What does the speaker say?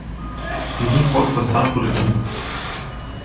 Ninguém pode passar por aqui!